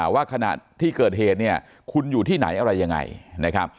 ว่าขณะที่เกิดเหตุเนี่ยคุณอยู่ที่ไหนอะไรยังไงนะครับ